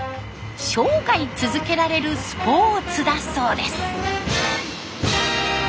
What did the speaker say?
生涯続けられるスポーツだそうです。